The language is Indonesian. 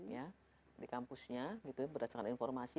dua puluh ya di kampusnya gitu berdasarkan informasi